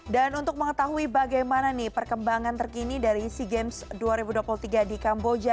dan untuk mengetahui bagaimana perkembangan terkini dari sea games dua ribu dua puluh tiga di kamboja